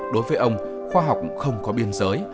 đối với ông khoa học không có biên giới